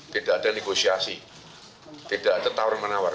tidak ada negosiasi tidak ada tawar menawar